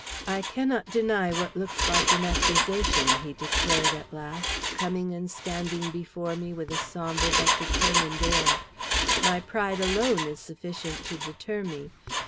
"I cannot deny what looks like an accusation," he declared at last, coming and standing before me with a sombre but determined air. "My pride alone is sufficient to deter me.